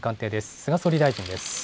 菅総理大臣です。